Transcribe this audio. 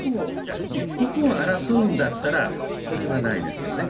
一刻を争うんだったら、それはないですよね。